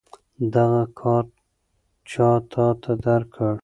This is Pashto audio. دغه کارت چا تاته درکړ؟